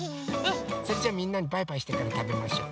それじゃあみんなにバイバイしてからたべましょう。